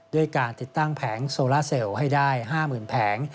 ด้วยการติดตั้งแผงโซล่าเซลล์ให้ได้๕๐๐๐แผง